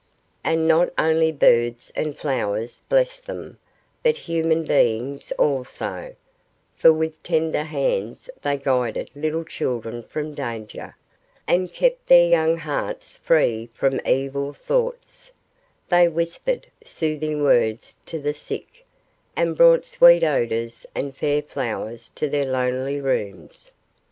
And not only birds and flowers blessed them, but human beings also; for with tender hands they guided little children from danger, and kept their young hearts free from evil thoughts; they whispered soothing words to the sick, and brought sweet odors and fair flowers to their lonely rooms.